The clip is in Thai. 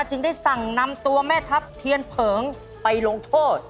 จึงได้สั่งนำตัวแม่ทัพเทียนเผิงไปลงโทษ